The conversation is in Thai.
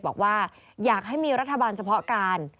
บอกว่าอยากให้มีรัฐบาลเฉพาะการ